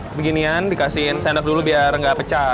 biar yang beginian dikasih sendok dulu biar gak pecah